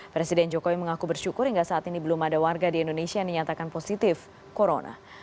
presiden jokowi mengaku bersyukur hingga saat ini belum ada warga di indonesia yang dinyatakan positif corona